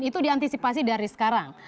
dan itu diantisipasi dari sekarang